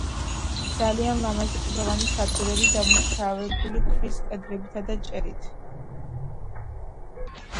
ძალიან ლამაზი კლდოვანი სადგურები დაუმუშავებელი ქვის კედლებითა და ჭერით.